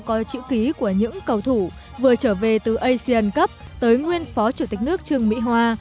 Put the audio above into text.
có chữ ký của những cầu thủ vừa trở về từ asian cup tới nguyên phó chủ tịch nước trương mỹ hoa